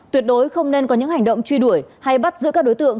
tuyệt đối không nên có những hành động truy đuổi hay bắt giữ các đối tượng